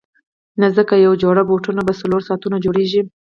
نه ځکه یوه جوړه بوټان په څلورو ساعتونو جوړیږي.